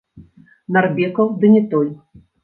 Нарбекаў, ды не той.